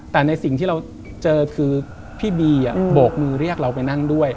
แต่ในสิ่งที่เราเจอคือพี่บีโบกมือเรียกเราไปนั่งด้วย